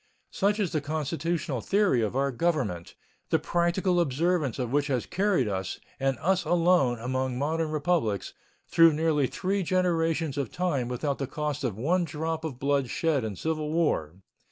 Such is the constitutional theory of our Government, the practical observance of which has carried us, and us alone among modern republics, through nearly three generations of time without the cost of one drop of blood shed in civil war.